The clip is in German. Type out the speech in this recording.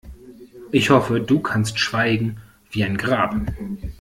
Ich hoffe, du kannst schweigen wie ein Grab.